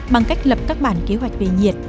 bằng cách lập các bản kế hoạch về nhiệt